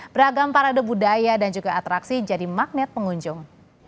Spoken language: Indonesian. beragam parade budaya dan juga atraksi jadi magnet pengunjung